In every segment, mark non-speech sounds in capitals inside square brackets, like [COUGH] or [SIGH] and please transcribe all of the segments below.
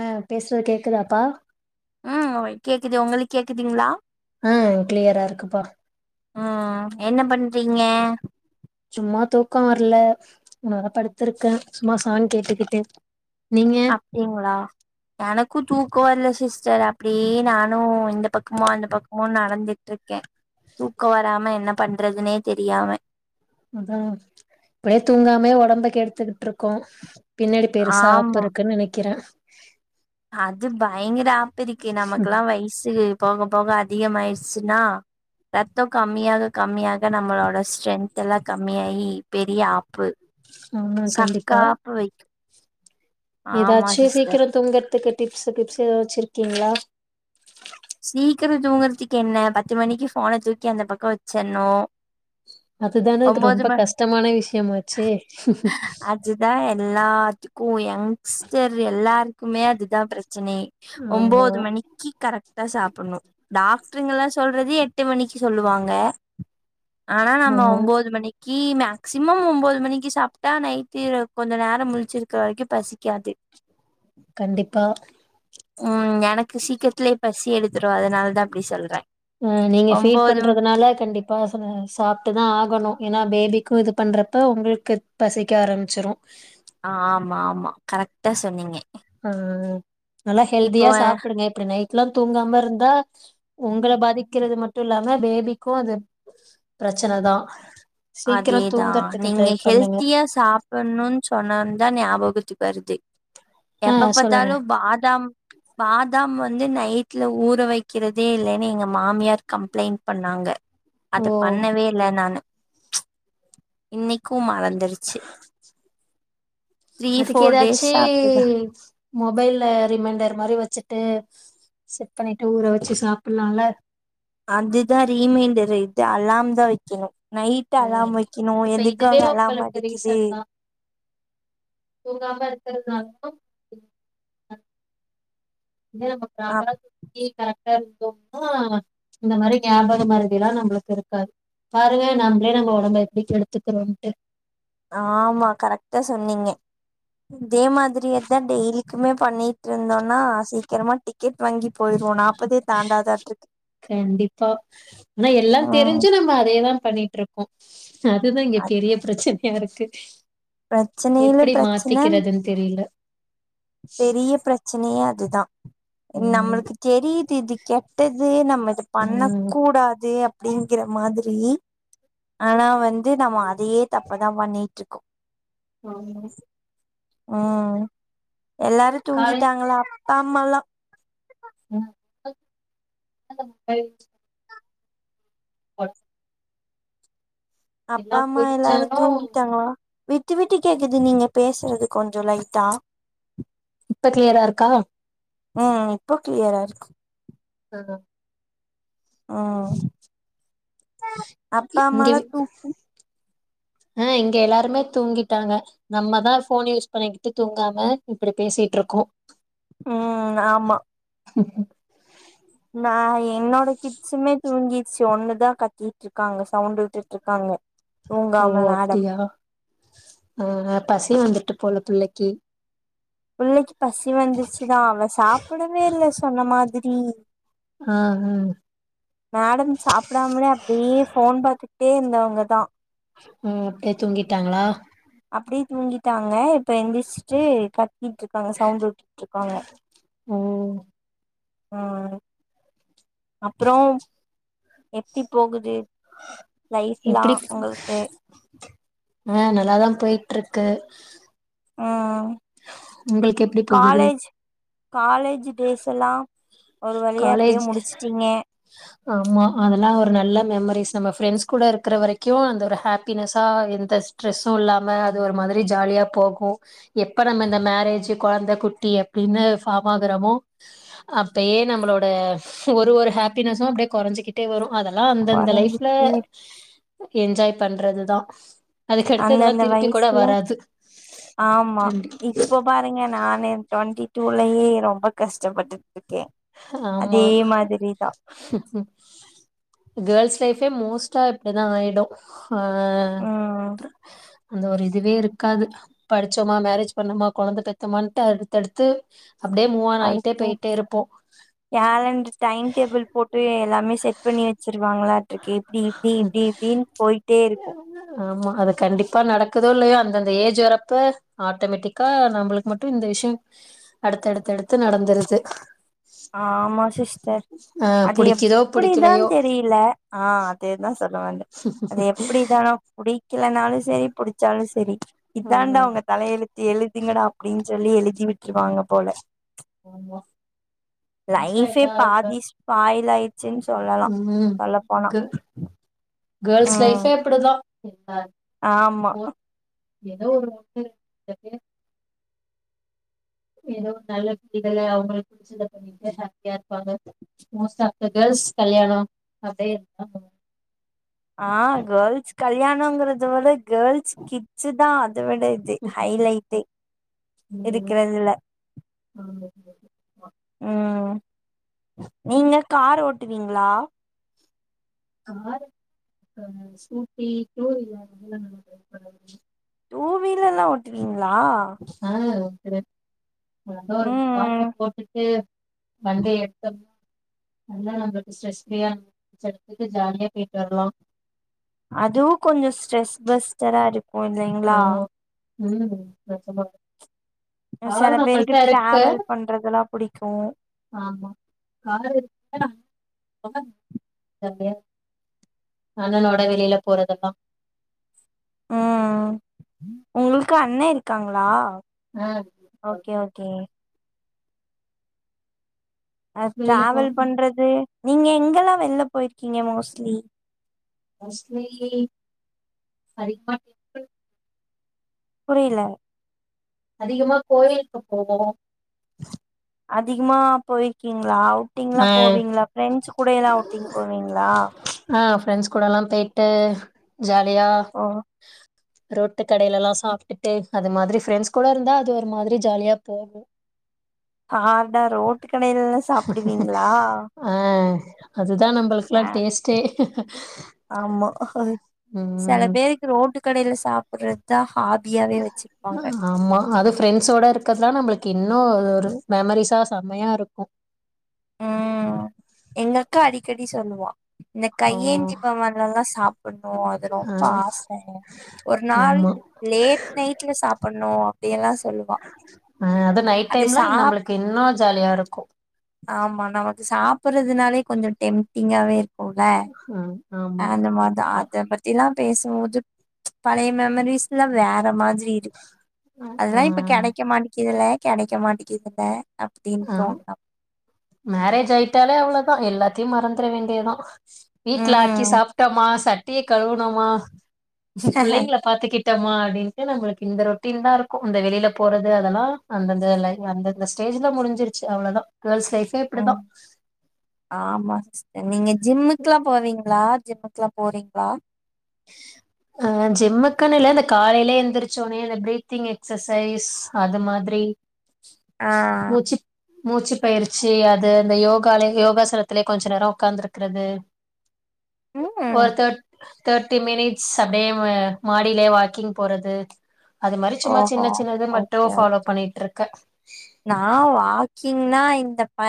அஹ் பேசுற கேக்குதாப்பா ம்ஹ் ஓ கேக்குது உங்களுக்கு கேக்குதுங்களா ம்ஹ் கிளியரா இருக்குப்பா ங்க சும்மா தூக்க வரல நா படுத்திருக்கே சும்மா சாங் கேட்டுக்கிட்டு நீங்க அப்படிங்களா எனக்கு தூக் கோவர்ல சிஸ்டர் அப்படியே நானு இந்த பக்கமு அந்த பக்கமு நடந்துட்டு இருக்கே தூக்க வராம என்ன பண்றதுனே தெரியாம அதான் இப்படியே தூங்காமே ஓடம்பகெடுத்துக்கிட் இருக்கோ பின்னாடி பெருசா ஆப்பு ஆமா இருக்குன்னு நினைக்கிறே [INAUDIBLE] அது பயங்கர ஆப்பு இருக்கு நமக்குல்லா வயசு போக போக அதிக ஆயிடுச்சுன்னா ரத்த கம்மியாக கம்மியாக நம்மளோட ஸ்ட்ரென்த் எல்லா கம்மியாயி பெரிய ஆப்பு ஆமா சக்க கண்டிப்பா ஆப்பு வைக்கு ஆமா ஏதாச்சு சிஸ்டர் சீக்கிர தூங்கறதுக்கு டிப்ஸ் கிப்ஸ் ஏதாச்சிருக்கீங்களா சீக்கிர தூங்குறதுக்கு என்ன பத்து மணிக்கு ஃபோனை தூக்கி அந்த பக்க வச்சர்னு அதுதானே ரொம்ப கஷ்டமான விஷயமா ஆச்சே அதுதா எல்லாத்துக்கு ஏன் சிஸ்டர் எல்லாருக்குமே அதுதான் பிரச்சனையே ஆமா ஒன்பது மணிக்கு கரெக்ட் சாப்பிடணும் டாக்டருங்கல்லாம் சொல்றது எட்டு மணிக்கு சொல்லுவாங்க ஆனா நம்ம ஆமா ஒன்பது மணிக்கு ஒன்பது மணிக்கு மேக்சிமம் ஒன்பது மணிக்கு சாப்பிட்டா நைட்டு கொஞ்சம் நேர முழுச்சிருக்கிற வரைக்கு பசி கண்டிப்பா ம் எனக்கு சீக்கிரத்துலே பசி எடுத்துரு அதனால தா அப்டி சொல்றே ம் நீங்க ஃபீட் ஒம்போது பண்றதுனால கண்டிப்பா ச சாப்ட்டுதா ஆகணு ஏனா பேபி க்கு இது பண்றப்ப உங்களுக்கு பசிக்க ஆரம்பிச்சிரு ஆஹ் ஆமா ஆமா கரெக்ட்டா சொன்னீங்க அ நல்லா ஹெல்தியா இப்போ சாப்பிடுங்க இப்டி நை ட்டுல்லா தூங்காமருந்தா உங்கள பாதிக்கறது மட்டு இல்லாம பேபிக்கு அது பிரச்சனதா அதேதா நீங்க ஹெல்த்தியா சாப்புர்ணுன்னு சொன்னோன் தா ஞாபகத்துக்கு வருதே ஆ எப்ப சொல்லுங்க பாத்தாலு பாதாம் பாதாம் வந் ந்து நைட்ல ஊற வைக்கிறதே இல்லேன்னு எங்க மாமியார் கம்ப்ளைண்ட் பண்ணாங்க ஓ அது பண்ணவே இல்ல நானு இன்னைக்கு மறந்து த்ரீ அதுக்கு ஃபோர் ஏதாச்சு டேஸா அப்டிதா மொபைல்ல ரிமைண்டர் மாதிரி வச்சு ச்சிட்டு செட் பண்ணிட்டு ஊற வெச்சு சாப்டலாம்ல அதுதா ரீமைண்டரு இது அலாம் தா வைக்கணு நைட் அலாம் வைக்கணு இப்ப இதுவே எதுக்காக அலாம் உங்களுக்கு அடிக்கிது ரீசன் தா தூங்காம இருக்கறதுனால தா [INAUDIBLE] இதே நம்ப அ ப்ராப்பரா [INAUDIBLE] ங்கிட்டா இருந்தோம்னா இந்த மாரி ஞாபக மாருதியெல்லா நம்பளுக்கு இருக்காது பாருங்க நம்மளே நம்ம ஒடம்ப எப்டி எடுத்துக்கிறோம்ட்டு ஆமா கரக்ட்டா சொன்னீங்க இதே மாதிரியதா டெய்லிக்குமே பண்ணி ட்ருந்தோன்னா சீக்கிரமா டிக்கெட் வாங்கி போயிருவோ நாப்பதே தாண்டாதாட்ருக்கு கண்டிப்பா ஆனா எல்லா ம் தெரிஞ்சு நம்ம அதேதா பண்ணிட்டு இருக்கோ அதுதா இங்க பெரிய பிரச்சன யாருக்கு பிரச்சனயில்ல பிரச்சன தெரில பெரிய பிரச்சனையே அதுதா ம் நம்மளுக்கு தெரியிது இது கெட்டது நம் ம் அது ம் பண்ணக்கூடாது அப் அப்டிங்கிற மாதிரி ஆனா வந்து நம்ம அதையே தப்பதா பண்ணிட்டுருக்கோ ஆமா ஆ எல்லாரு காலை தூங்கிட்டாங்களா தம்மல்லா ம் [INAUDIBLE] அ அப்பா அம்மா எல்லாரு புரிஞ்சாலு தூங்கிட்டாங்களா விட்டு விட்டு கேக்குது நீங்க பேசுறது கொஞ்சோ லைட்டா இப்ப க்ளியரா இருக்கா ஆ இப்போ க்ளியரா இருக்கு ஆ ஆ அப்பா அம்மாலா தூங்கி அ இங்க எல்லாருமே தூங்கிட்டாங்க நம்மதா ஃபோன் யூஸ் பண்ணிக்கிட்டு தூங்காம இப்டி பேசிட்டு இருக்கோ ம் ஆமா நா என்னோட கிட்ஸ்சுமே தூங்கிச்சு ஒண்ணுதா கத்திட்டு இருக்காங்க சவுண்ட விட்டுட்டு இருக்காங்க தூங்காம மடம் அ பசி வந்துட்டு போல பிள்ளைக்கி பிள்ளைக்கி பசி வந்துருச்சுதா அவ சாப்டவே இல்ல சொன்ன மாதி ம் ஆ உ மேடம் சாப்பிடாமலே அப்டியே ஃபோன் பாத்துட்டே இருந்தா அங்கதா ம் அப்டியே தூங்கிட்டாங்களா அப்டியே தூங்கிட்டாங்க இப்ப எந்திருச்சுட்டு கட் ட்டிட்டு இருக்காங்க சவுண்ட் விட்டிட்டு இருக்காங்க ஓ ஆ அப்புறோம் எப்டி போகுது லைஃப்லா உங்களுக்கு அ நல்லாதா போய்ட்ருக்கு ஆ எப்டி போகுது காலேஜ் காலேஜ் டேஸ் எல்லாம் ஒரு வழியா எப்டியோ காலேஜ் முடிச்சுட்டீங்க ஆமா அதெல்லா ஒரு நல்ல மெமரிஸ் நம்ம ஃப்ரெண்ட்ஸ் கூட இருக்கிற வரைக்கு அந்த ஒரு ஹப்பினஸ்ஸா எந்த ஸ்ட்ரெஸ்ஸு இல்லாம அது ஒரு மாதிரி ஜாலியா போகு எப்ப நம்ம இந்த மரேஜ்ஜூ கொழந்த குட்டி அப்டின்னு ஃபார்ம் ஆகுறோமோ அப் அப்பயே நம்மளோட ஒரு ஒரு ஹப்பினஸு அப்டியே கொறஞ்சிக்கிட்டே வரு அதெல்லாம் அந்தந்த லைஃப்ல கொழந்தைக்கு என்ஜாய் பண்றதுதா அதுக்கடுத்து இதெல்லா அந்தந்த திருப்பி கூட வயசுல வராது ஆமா கண்டி- இப்ப பாருங்க நானே ட்வெண்டி டூலயே ரொம்ப கஷ்டப்பட்டு ஆமா கேல்ஸ் லைஃபே மோஸ்ட் டா இப்படிதா ஆயிடும் ஆ ம் அது ஒரு இதுவே இருக்காது படிச்சோமா மேரேஜ் பண்ணோமா குழந்த பெத்தோமட்டு அடுத்த அடுத்து அப்படியே மூவான் ஆயிட்டே போயிட்டே இருப்போம் கலெண்ட் டைம் டேபள் போ எல்லாமே செட் பண்ணி வச்சருவாங்களா எப்படி இப்படி இப்படி இப்படின்னு போயிட்டே இருக்கும் ஆமா அது கண்டிப்பா நடக்குதோ இல்லையோ அந்தந்த ஏஜ் வரப்ப ஆட்டோமேட்டிக்கா நம்மளுக்கு மட்டும் இந்த விஷயம் அடுத்த அடுத்த அடுத்து நடந்துருது ஆமா சிஸ்டர் ஆ அது புடிக்குதோ எப்படிதா புடிக்கலையோ தெரியல ஆ அதேதா சொல்ல வந்த அது எப்படி தானோ புடி புடிக்கலனாலும் சரி புடிச்சாலும் சரி இதான்ண்டா ம் உங்க தலைய எழுத்து எழுதுங்கடா அப்படின்னு சொல்லி எழுதி விட்டுருவாங்க போல ஆமா லைஃபே பாதிஸ் ஸ்பாயில் அய் உம் கே கேள்ஸ் ம் லைபே அப்படிதா ம் எல்லாரு ஆமா மோஸ்ட் ஏதோ ஒரு உண்ம இருக்கு [INAUDIBLE] ஏதோ நல்ல விதிகள அவங்களுக்கு புடிச்சத பண்ணிட்டு ஹாப்பியா இருப்பாங்க மோஸ்ட் ஆப் த கேள்ஸ் கல்யாணம் அப்படியே ஆ கேல்ஸ் கல்யாணம்ங்கறத விட கேல்ஸ் கிச்சதா அத விட இது ஹைலைட்டே இருக்கறதுல உம் நீங்க கார் ஓட்டுவீங்களா கார் ஓட்டவராது ஸ்கூட்டி டூவீலர் அதல்லா நல்ல டிரைவ் பண்ணுவ டூ வீர்ல்லா ஓட்டுவீங்க லா [UNINTELLIGIBLE] அது ஒரு பாட்ட போட்டுட்டு வண்டிய எடுத்த நல்லா நம்மளுக்கு ஸ்ட்ரெஸ்பியா எடுத்துட்டு ஜாலியா போயிட்டு வரலாம் அதுவு கொஞ்ச ஸ்ட்ரெஸ் பஸ்ரா இருக் ஆமா உம் நெஜா மா சில பேருக்கு டிராவல் பண்ணறது நா புடிக் கும் ஆமா கார் [UNINTELLIGIBLE] வெளியில போறதல்லாம் உம் உங்களுக்கு அ ண்ணே இருக்காங்களா ஆ ஓகே ஓகே ஆ வெளியில டிராவல் போனு பண்றது நீங்க எங்கெல்லாம் வெளில போயிருக்கீங்க மோஸ்ட்லி மோஸ்ட்லி ஹரித்வார் டெம்ப்ள் புரியல அதிகமா கோயிலுக்கு போவோ அதிகமாக போயிருக்கீங்களா அவுட்டிங்லா ஆ போவீங்களா ப்ரெண்ட்ஸ் கூட எல்லாம் அவுட்டிங் போவீங்களா ஆ ஃப்ரெண்ட்ஸ் கூடலா போய்ட்டு ஜாலியா ஓ ரோட்டு கடையலலா சாப்ட்டுட்டு அது மாதிரி ஃப்ரெண்ட்ஸ் கூட இருந்தா அது ஒரு மாதிரி ஜாலியா போகும் ஆடா ரோட் ஆ அதுதா நம்மளுக்குெல்லா ஆ டேஸ்டே ஆமா உம் ரோட்டுகடைல சாப்பறத ஆ ஆமா அது ஃப்ரெண்ட்ஸோட இருக்கிறதுல்லா நம்மளுக்கு இன்னு ஒரு மெமரிஸா செம்மையா இருக்கு உம் எங்க அக்கா அடி க்கெடி சொல்லுவா இந்த கை ஓ ஏந்திசி பவன்ல்லா சாப்பிடணும் அது ஆ ரொம்ப ஆச ஒரு நாள் ஆமா லேட் நைட்ல சாப்பிடணும் அப்படியெல்லா சொல்லுவா ஆ நைட் அது டைம்லா சாப் நம்மளுக்கு இன்னு ஜாலியா இருக்கு ஆமா நா வந்து சாப் பறதுனாலே கொஞ்ச டெம்டிங்காவே போல ம் ஆமா அந்த மாதிரிதா கண்டிப்பா அத பத்திலா பேசும்போது பழைய மெமரிஸ் எல்லா வேற மாரி ஆ அதெல்லாம இப்ப கிடைக்க மாட்டிக்கிதுல கிடைக்க மாட்டிக்கிதுல அப்படின் ஆ தோணு மேரேஜ் ஆயிட்டாலே அவ்வளவுதா எல்லாத்தையு மறந்துட வேண்டியதுதா வீட்டுல ஆக்கி ம் சாப்ட்டோமா சட்டிய கழுவுணமா புள்ளைங்கள பாத்துக்கிட்டு திட்டமா அப்படின்ட்டு நம்மளுக்கு இந்த ரொட்டீன் தா இருக்கும் அந்த வெளில போறது அதெல்லா அந்தந்த அந்தந்த ஸ்டேஜ்ல முடிஞ்சிருச்சு அவ்வளவுதா கேர்ள்ஸ் லைஃபே இப்படிதா ம் ஆமா சிஸ்டர் நீங்க ஜிம்முக்குல்லா போவீங்களா ஜிம்முக்கு எல்லா போறீங்களா ஜிம்முக்கு இல்ல இந்த காலைல எந்திரச்சோடனே அந்த பிரீத்திங் எக்சசைஸ் அது மாதிரி ஆ மூச்சு மூச்சு பயிற்சி அது இந்த யோகால யோகாசனத்திலயே கொஞ்ச நேர உட்காந்துருக்கிறது ம் ஒரு தட் தேர்ட்டி மினிட்ஸ் அப்படியே மாடியிலயே வாக்கிங் போறது அது மாதிரி சும்மா ஓஹோ சின்ன சின்னத மட்டும் ஓகே ஓகே ஃபாலோ பண்ணிட்டு இருக்கே நா வாக்கிங்னா இந்த ப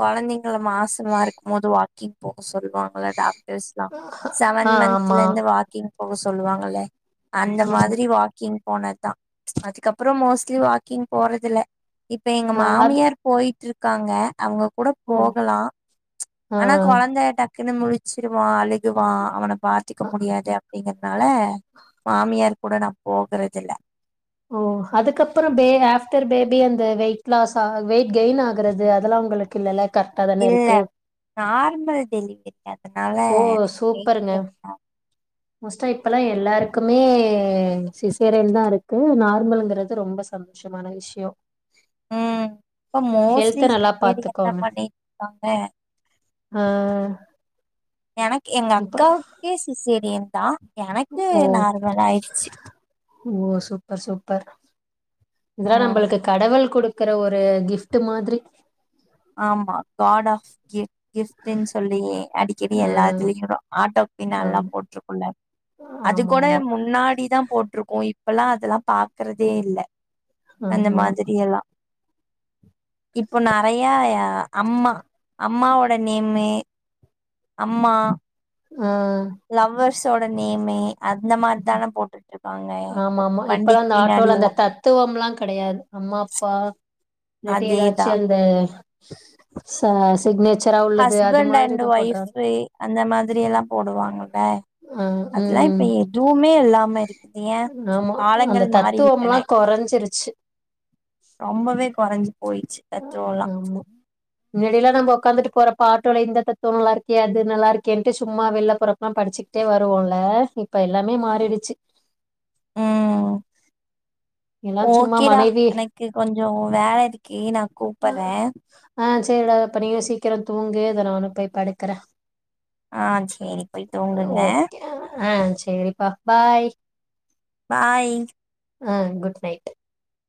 குழந்தைங்க மாசமா இருக்கும்போது வா கிங்போ சொல்லுவாங்கள டாக்டர்ஸ்லா ஆ செவன் மந்த்ல ஆமா இருந்து வாக்கிங் போக சொல்லுவாங்கள அந்த ம் மாதிரி வாக்கிங் போனதுதா அதுக்கப்புறம் மோஸ்ட்லி வாக்கிங் போறது இல்ல இப்ப எங்க ஆ அது மாமியார் போயிட்டு இருக் காங்க அவங்க கூட ஓ போகலாம் ஆ ஆனா குழந்த டக் குன்னு முழச்சிருவா அழுகுவா அவன பாத்துக்க அ முடியாது அப்படிங்கற னால மாமியார் கூட நா போகறது இல்ல ஓ அதுக்கப்புறம் பே ஆப்டர் பேபி அந்த வெயிட் லாஸ் வெயிட் கெயின் ஆகுறது அதெல்லா உங்களுக்கு இல்லல இல்ல நார்மல் டெலிவரி அதனால ஓ எனக்கு வெயிட் சூப்பருங்க கேன் ஆகல மோஸ்ட்டா இப்பல்லா எல்லாருக்குமே சிசேரியன் தா இருக்கு நார்மல்ங்றது ரொம்ப சந்தோஷமான விஷ்யோ உம் இப்ப ஹெல்த்த மோஸ்ட்லி நல்லா பாத்துக்கோங்க [INAUDIBLE] ஆஹ் எனக் எங்க அக்காவுக்கே சிசேரியன் தா எனக்கு ஓ நார்மல் ஆயிடுச்சு ஓ சூப்பர் சூப்பர் இதுலா ம் நம்பளுக்கு கடவுள் குடுக் க்கற ஒரு கிஃப்ட் மாதிரி ஆமா காட் ஆஃப் கி கிஃப்ட்டுன் சொல்லி அடிக்கடி ஆ எல்லாத்திலியு ஆட்டோ பின்னால்லா ஆம் போட்ருக்குல்ல அது ஆமா கோட ஆமா முன்னாடிதா போட்ருக்கூ இ இப்பல்லா அதெல்லா பாக்கறதே இல்ல அந்த ஆமா மாதிரி எல்லா இப்போ நறை ய அம்மா அம்மாவோட நேமு அம்மா ஆஹ் தோட நேமே அந்த மார்த் தான போட்டுட்ருக்காங் ஆமாமா இப்பலா இந்த ஆட்டோல அந்த தத்துவம்லா கெடையாது அம்மா அப்பா இல்லாட்டி எதாச்சு அதேதா அந்த சஸ் ஹஸ்பண்டு அண்டு ஒய்ஃபு அந்த மாதிரி எல்லா போடுவாங்க ப ஆ அதுலா இப்ப ம் எதுவுமே இல்லாம இருக்குது ஏ ஆமா அந்த காலங்கள் மாறிவிட்டன தத்துவம்லா கொறஞ்சிருச்சு ரொம்பவே கொறஞ்சு போயிச்சு தத்துவோல்லா வெளில நம்ப ஒக்காந்துட்டு போறப்ப ஆட்டோல இந்த தத்துவோ நல்லாருக்கே அது நல்லாருக்கேன்ட்டு சும்மா வெள்ல போறப்பலா படிச்சுக்கிட்டே வருவோல்ல இப்ப எல்லாமே மாறிடுச்சு ம் எல்லா சும்மா ஓகேடா மனைவி எனக்கு கொஞ்சோ வேல இருக்கு நா கூப்பறே சேரிடா ப்ப நீயு சீக்கிரந் தூங்கு இத நானு போய் படுக்கறே ஆஹ் சேரி போய் தூங்குங்க சேரிப்பா பாய் பாய் ம் குட் நைட்